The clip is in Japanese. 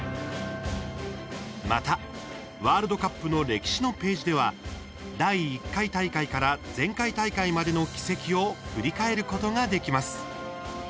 また、ワールドカップの歴史のページでは第１回大会から前回大会までの軌跡を振り返ることができます。